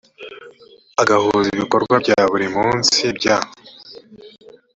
agahuza ibikorwa bya buri munsi bya